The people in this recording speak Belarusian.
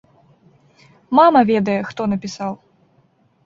Мама ведае, хто напісаў.